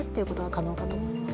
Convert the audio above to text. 可能かと思います。